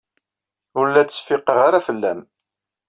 Ur la ttseffiqeɣ ara fell-am.